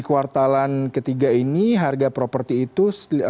kuartalan ketiga ini harga properti itu